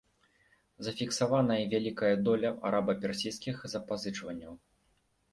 Зафіксаваная вялікая доля араба-персідскіх запазычванняў.